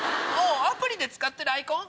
アプリで使ってるアイコン？